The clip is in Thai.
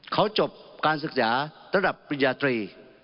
เขาจบการศึกษาระดับปริญญาตรี